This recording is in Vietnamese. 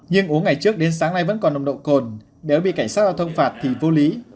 nhưng uống ngày trước đến sáng nay vẫn còn nồng độ cồn nếu bị cảnh sát giao thông phạt thì vô lý